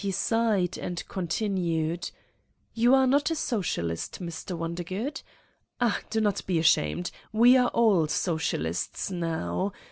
He signed and continued: ; 'You are not a Socialist, Mr. Wondergood? Ah, do not be ashamed. We are all Socialists now.